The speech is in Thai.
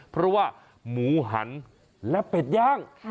เพราะว่าหมูหันและเป็ดย่าง